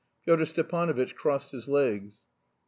Pyotr Stepanovitch crossed his legs.